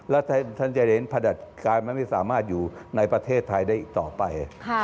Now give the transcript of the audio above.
แล้วท่านจะเห็นผลิตการมันไม่สามารถอยู่ในประเทศไทยได้อีกต่อไป